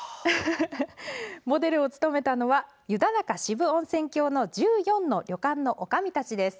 モデルを務めたのは湯田中渋温泉郷の１４の旅館のおかみたちです。